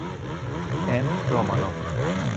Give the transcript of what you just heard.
M. Romanov.